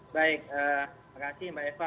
baik terima kasih mbak eva